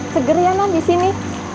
seger ya non disini